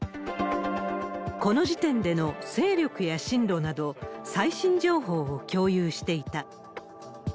この時点での勢力や進路など、最新情報を共有していた。